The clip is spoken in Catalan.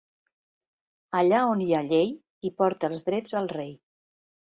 Allà on no hi ha llei, hi porta els drets el rei.